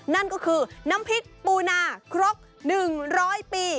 นั่นก็คือน้ำพริกปูนาครบ๑๐๐ปี